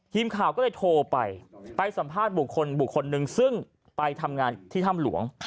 ทีมข่าวก็เลยโทรไปไปสัมภาษณ์บุคคลบุคคลหนึ่งซึ่งไปทำงานที่ถ้ำหลวง